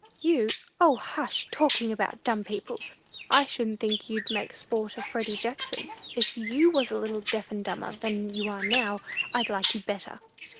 You " "O, hush talking about dumb people! I shouldn't think you'd make sport of Freddy Jackson! If you was a little deaf and dumber than you are now, I'd like you better!